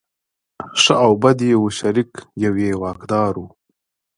ښه او بد یې وو شریک یو یې واکدار و.